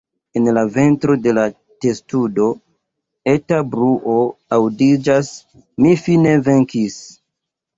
En la ventro de la testudo, eta bruo aŭdiĝas: "Mi fine venkis!"